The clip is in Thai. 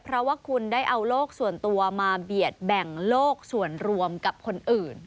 เพราะว่าคุณได้เอาโลกส่วนตัวมาเบียดแบ่งโลกส่วนรวมกับคนอื่น